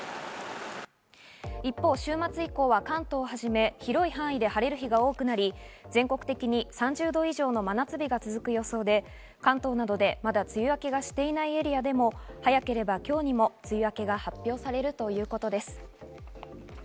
一方、週末以降は関東をはじめ広い範囲で晴れる日が多くなり、全国的に３０度以上の真夏日が続く予想で、関東などでまだ梅雨明けしていないエリアでも早ければ今日にも梅雨明けが発表されるということです。